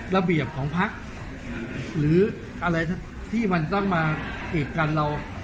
ระเบียบของพักหรืออะไรที่มันต้องมากีดกันเรา